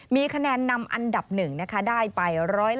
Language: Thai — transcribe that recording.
มีคะแนนนำอันดับ๑นะคะได้ไป๑๑